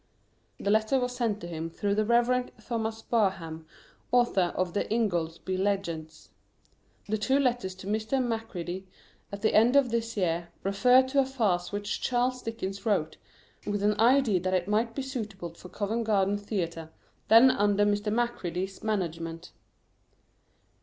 The letter was sent to him through the Rev. Thomas Barham, author of "The Ingoldsby Legends." The two letters to Mr. Macready, at the end of this year, refer to a farce which Charles Dickens wrote, with an idea that it might be suitable for Covent Garden Theatre, then under Mr. Macready's management.